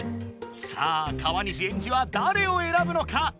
さあ川西エンジはだれをえらぶのか？